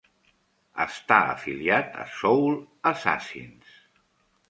Està afiliat a Soul Assassins.